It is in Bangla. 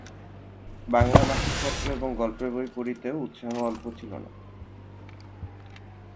বাংলা মাসিকপত্র এবং গল্পের বই পড়িতেও উৎসাহ অল্প ছিল না।